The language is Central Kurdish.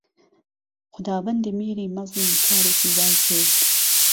خوداوهندی میری مهزن کارێکی وای کرد